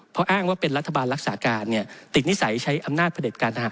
เพราะอ้างว่าเป็นรัฐบาลรักษาการติดนิสัยใช้อำนาจพระเด็จการทหาร